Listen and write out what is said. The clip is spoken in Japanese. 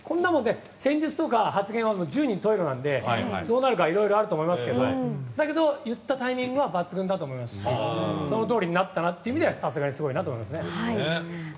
戦術とか発言は十人十色なのでどうなるかはいろいろあると思いますがでも、言ったタイミングは抜群だと思いますしそのとおりになったなという意味ではさすがにすごいなと思いました。